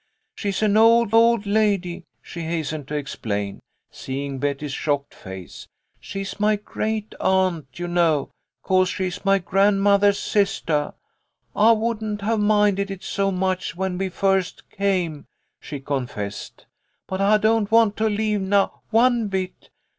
She's an old, old lady," she hastened to ex plain, seeing Betty's shocked face. " She's my great aunt, you know, 'cause she's my grand mothah's sistah. I wouldn't have minded it so much when we first came," she confessed, "but I don't want to leave now, one bit.